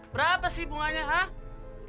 berapa sih bunganya ha